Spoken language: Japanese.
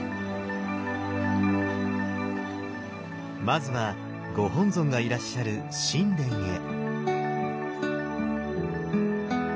まずはご本尊がいらっしゃる宸殿へ。